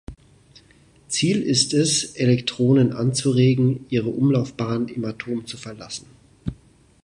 Ziel ist es, Elektronen anzuregen, ihre Umlaufbahn im Atom zu verlassen.